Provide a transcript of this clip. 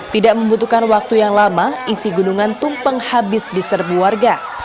tidak membutuhkan waktu yang lama isi gunungan tumpeng habis di serbu warga